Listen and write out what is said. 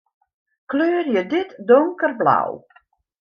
Kleurje dit donkerblau.